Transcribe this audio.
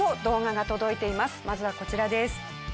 まずはこちらです。